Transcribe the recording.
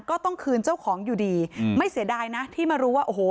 ก็ต้องคืนเจ้าของอยู่ดีอืมไม่เสียดายนะที่มารู้ว่าโอ้โห